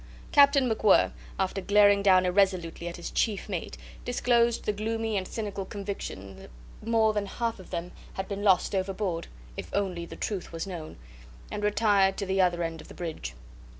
Captain MacWhirr, after glaring down irresolutely at his chief mate, disclosed the gloomy and cynical conviction that more than half of them had been lost overboard, "if only the truth was known," and retired to the other end of the bridge.